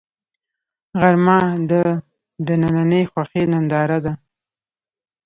غرمه د دنننۍ خوښۍ ننداره ده